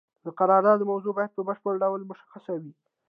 د قرارداد موضوع باید په بشپړ ډول مشخصه وي.